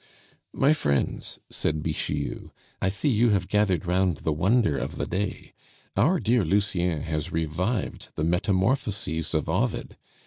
"My friends," said Bixiou, "I see you have gathered round the wonder of the day. Our dear Lucien has revived the Metamorphoses of Ovid.